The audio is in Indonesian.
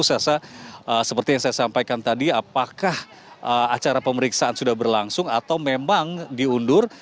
sasa seperti yang saya sampaikan tadi apakah acara pemeriksaan sudah berlangsung atau memang diundur